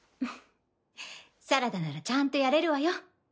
サラダならちゃんとやれるわよ。